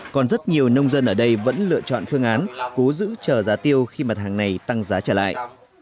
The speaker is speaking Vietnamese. còn rất nhiều nông dân ở đây vẫn lựa chọn phương án cố giữ chờ giá tiêu khi mặt hàng này tăng giá trở lại